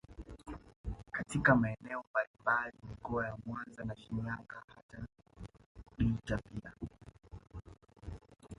Katika maeneo mbalimbali mikoa ya Mwanza na Shinyanga hata Geita pia